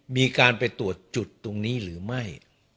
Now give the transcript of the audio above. มีการไปตรวจจุดตรงนี้หรือไม่